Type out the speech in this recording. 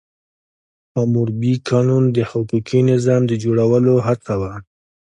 حموربي قانون د حقوقي نظام د جوړولو هڅه وه.